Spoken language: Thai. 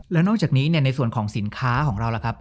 แล้วนอกจากนี้ในส่วนของสินค้าของเราล่ะครับ